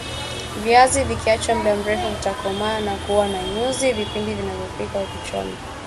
viazi vikiachwa mda mrefu vitakomaa na kuwa na nyuzi vipindi vinapikwa au kuchomwa